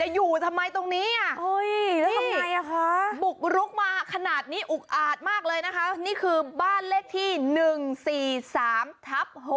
จะอยู่ทำไมตรงนี้แล้วทำไมบุกรุกมาขนาดนี้อุกอาจมากเลยนะคะนี่คือบ้านเลขที่๑๔๓ทับ๖